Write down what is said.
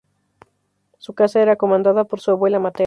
Su casa era comandada por su abuela materna.